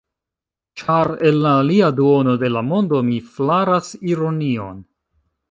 Ĉar el la alia duono de la mondo, mi flaras ironion.